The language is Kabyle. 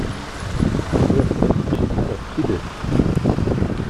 Riɣ taneččit-a s tidet.